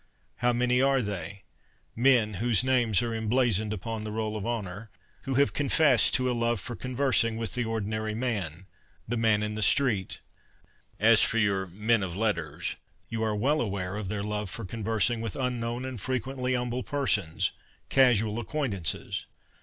How many are they — men whose names are emblazoned upon the roll of honour — who have confessed to a love for conversing with the ordinary man, ' the man in the street '! As for your ' men of letters,' you are well aware of their love for conversing with unknown and frequently humble persons, ' casual ' HUMBLY TO CONFESS ' 19 acquaintances.'